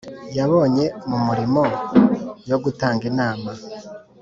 yabonye mu mirimo yo gutanga inama